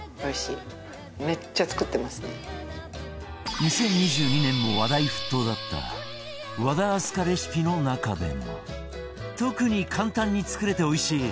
２０２２年も話題沸騰だった和田明日香レシピの中でも特に簡単に作れておいしい